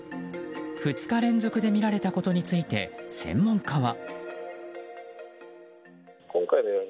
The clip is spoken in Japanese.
２日連続で見られたことについて専門家は。